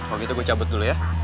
kalo gitu gue cabut dulu ya